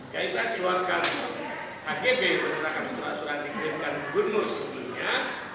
kita keluarkan surat surat yang dikirimkan oleh pak gunur sebelumnya